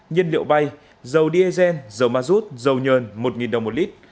nhiên liệu bay dầu diesel dầu mazut dầu nhờn một đồng một lít